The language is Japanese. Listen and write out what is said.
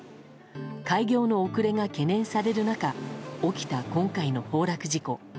開業の遅れが懸念される中起きた今回の崩落事故。